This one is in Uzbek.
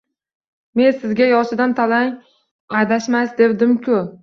Men sizga yoshidan tanlang, adashmaysiz, devdim-ku